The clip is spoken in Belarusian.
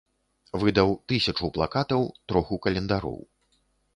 Выдаў тысячу плакатаў, троху календароў.